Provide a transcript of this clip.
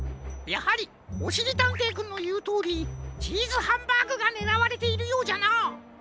やはりおしりたんていくんのいうとおりチーズハンバーグがねらわれているようじゃな。